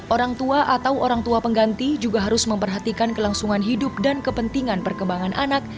orang tua atau orang tua pengganti juga harus memperhatikan kelangsungan hidup dan kepentingan perkembangan anak